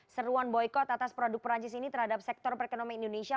seruan boykot atas produk perancis ini terhadap sektor ekonomi indonesia